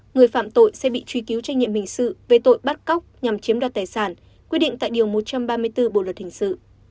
người phạm tội sẽ bị truy cứu trách nhiệm hình sự về tội bắt cóc nhằm chiếm đoạt tài sản quy định tại điều một trăm ba mươi bốn bộ luật hình sự